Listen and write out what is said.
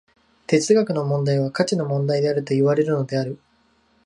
哲学の問題は価値の問題であるといわれるのである。